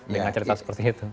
dengan cerita seperti itu